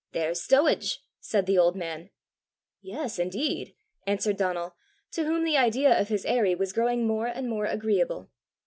"There's stowage!" said the old man. "Yes, indeed!" answered Donal, to whom the idea of his aerie was growing more and more agreeable.